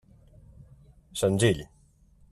Senzill.